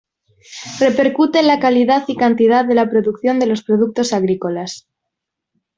Repercute en la calidad y cantidad de la producción de los productos agrícolas.